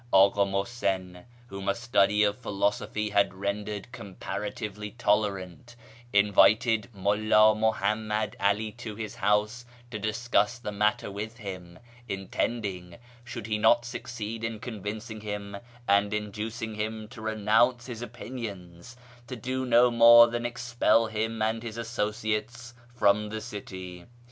Aka Muhsin (whom a study of philosophy had rendered comparatively tolerant) invited Mulla Muhammad 'Ali to his house to discuss the matter with him, intending, should he not succeed in con vincing him and inducing him to renounce his opinions, to do no more than expel him and his associates from the city.